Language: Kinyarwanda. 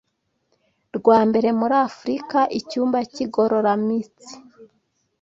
rwa mbere muri Afurika, icyumba cy’igororamitsi